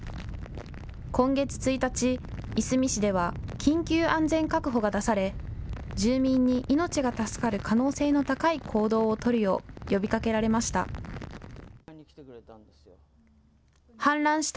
今月１日、いすみ市では緊急安全確保が出され住民に命が助かる可能性の高い行動を取るよう呼びかけられました。